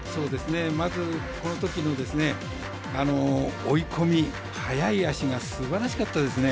まず、このときの追い込み速い脚がすばらしかったですね。